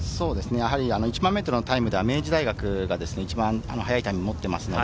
１００００ｍのタイムでは明治大学が一番速いタイムを持っています。